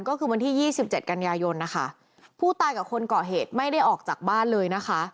ก็คือวันที่ยี่สิบเจ็ดกันยายนนะคะผู้ตายกับคนก่อเหตุไม่ได้ออกจากบ้านเลยนะคะ